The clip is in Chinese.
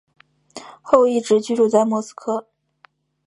后一直居住在莫斯科。